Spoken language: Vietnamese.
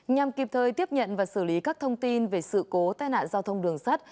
nhằm kịp thời tiếp nhận và xử lý các thông tin về sự cố tai nạn giao thông đường sắt